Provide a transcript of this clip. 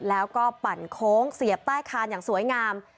แล้วก็ปั่นโค้งเสียบใต้คานอย่างสวยงาม